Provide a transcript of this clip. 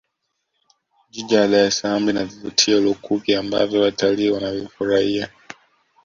jiji la dar es salaam lina vivutio lukuki ambavyo watalii Wanavifurahia